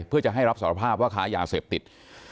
เพื่อจะให้รับสอบภาพการค้ายาเศษติด